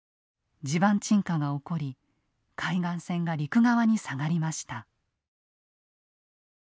地盤沈下が起こり海岸線が陸側に下がりました。